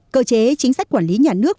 cơ chế chính sách quản lý nhà nước